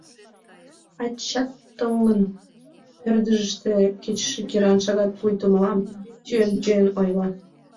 Ач-ат тол-ын...» — пырдыжыште кечыше киран шагат пуйто мылам тӱен-тӱен ойла.